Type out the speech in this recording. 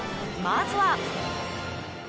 まずは。